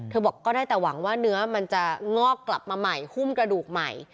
บอกก็ได้แต่หวังว่าเนื้อมันจะงอกกลับมาใหม่หุ้มกระดูกใหม่